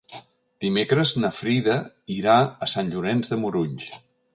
Dimecres na Frida irà a Sant Llorenç de Morunys.